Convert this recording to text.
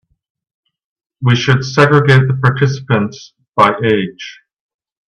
We should segregate the participants by age.